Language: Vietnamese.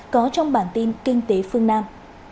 có trong bản tin kinh tế phương nam